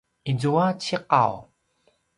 izua ciqaw